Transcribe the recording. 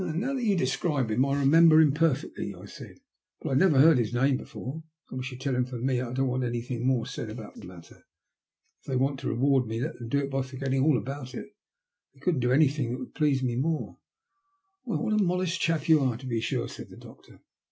Now that you describe him, I remember him per fectly," I said; "but I had never heard his name before. I wish you'd tell him from me that I don't want anything more said about the matter. If they want to reward me, let them do it by forgetting iJl about it. They couldn't do anythhig that would please me more." '* Why, what a modest chap you are, to be sure," said the doctor.